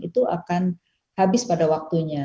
itu akan habis pada waktunya